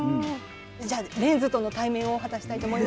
じゃあレンズとの対面を果たしたいと思います。